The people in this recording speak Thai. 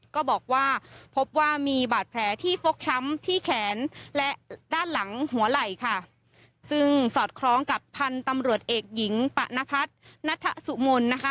ก็บอกว่าพบว่ามีบาดแผลที่ฟกช้ำที่แขนและด้านหลังหัวไหล่ค่ะซึ่งสอดคล้องกับพันธุ์ตำรวจเอกหญิงปะนพัฒนัทสุมนต์นะคะ